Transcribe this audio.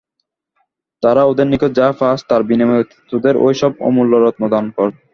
তোরা ওদের নিকট যা পাস, তার বিনিময়ে তোদের ঐ-সব অমূল্য রত্ন দান কর।